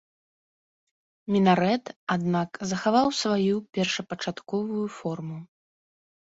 Мінарэт, аднак, захаваў сваю першапачатковую форму.